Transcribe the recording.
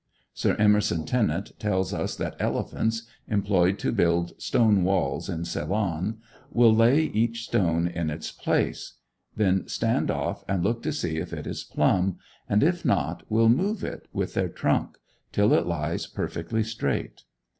Sir Emerson Tennent tells us that elephants, employed to build stone walls in Ceylon, will lay each stone in its place, then stand off and look to see if it is plumb, and, if not, will move it with their trunk, till it lies perfectly straight.